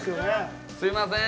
すいません。